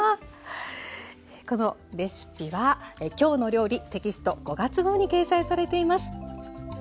このレシピは「きょうの料理」テキスト５月号に掲載されています。